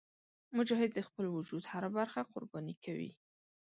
مجاهد د خپل وجود هره برخه قرباني کوي.